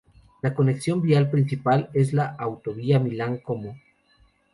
La conexión vial principal es la autovía Milán-Como.